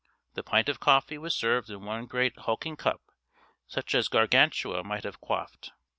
The pint of coffee was served in one great hulking cup such as Gargantua might have quaffed.